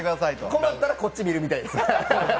困ったらこっち見るみたいですよ。